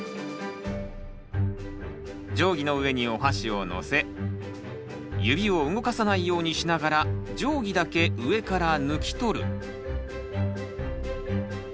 定規の上におはしをのせ指を動かさないようにしながら定規だけ上から抜き取る。